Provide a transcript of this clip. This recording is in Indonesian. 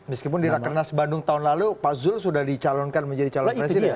meskipun di rakernas bandung tahun lalu pak zul sudah dicalonkan menjadi calon presiden